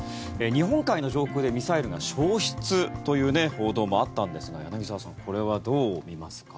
日本海の上空でミサイルが消失という報道もあったんですが柳澤さんこれはどう見ますか？